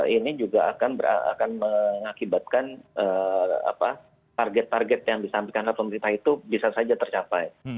ini juga akan mengakibatkan target target yang disampaikan oleh pemerintah itu bisa saja tercapai